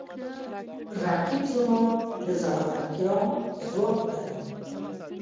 رقیب زما د زړورتیا ځواک دی